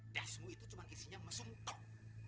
dasmu itu cuma isinya mesum tok